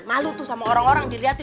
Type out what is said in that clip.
malu tuh sama orang orang dilihatin